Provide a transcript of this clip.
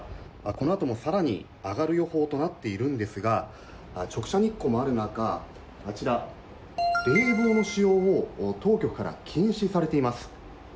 このあともさらに上がる予報となっているんですが、直射日光もある中、あちら、冷房の使用を当局から禁止されています。